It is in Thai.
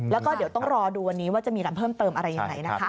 แล้วก็จะต้องรอดูวันนี้ว่าจะมีรัมเพิ่มเติมอะไรยังไงนะครับ